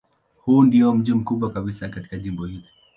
Huu ndiyo mji mkubwa kabisa katika jimbo hili.